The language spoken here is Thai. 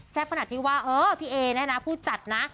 ขนาดที่ว่าเออพี่เอเนี่ยนะผู้จัดนะ